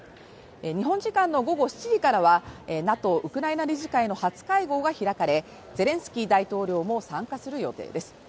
日本時間の午後７時からはＮＡＴＯウクライナ理事会の初会合が開かれ、ゼレンスキー大統領も参加する予定です。